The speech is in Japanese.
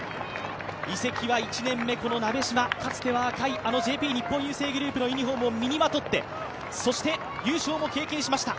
移籍は１年目、この鍋島、かつてはあの赤いＪＰ日本郵政グループのユニフォームを身にまとって優勝も経験しました。